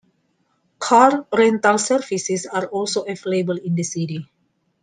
Car rental services are also available in the city.